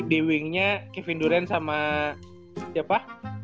di wingnya kevin durant sama siapa